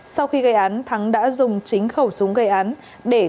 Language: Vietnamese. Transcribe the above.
sau khi gây án thắng đã dùng chính khẩu súng gây án để bắn vào con dâu